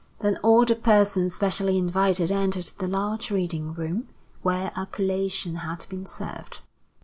Then all the persons specially invited entered the large reading room, where a collation had been served.